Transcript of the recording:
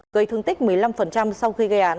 gây thương tích một mươi năm sau khi gây án